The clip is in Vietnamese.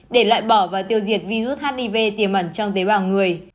để loại bỏ và tiêu diệt virus hiv tiềm ẩn trong tế bào người